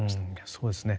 そうですね。